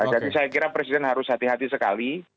jadi saya kira presiden harus hati hati sekali